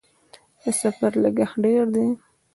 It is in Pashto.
د سفر لګښت ډیر دی؟